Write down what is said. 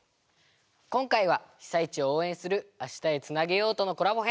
今回は被災地を応援する「明日へつなげよう」とのコラボ編！